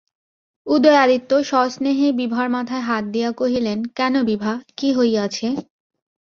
উদয়াদিত্য সস্নেহে বিভার মাথায় হাত দিয়া কহিলেন, কেন বিভা, কী হইয়াছে?